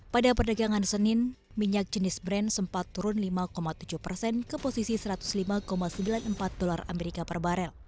pada perdagangan senin minyak jenis brand sempat turun lima tujuh persen ke posisi satu ratus lima sembilan puluh empat dolar amerika per barel